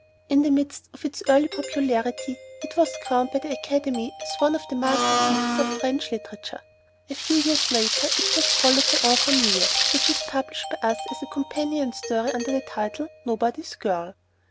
In the midst of its early popularity, it was crowned by the Academy as one of the masterpieces of French literature. A few years later, it was followed by "En Famille," which is published by us as a companion story under the title "Nobody's Girl."